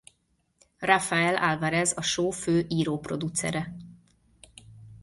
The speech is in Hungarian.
Rafael Alvarez a show fő író-producere.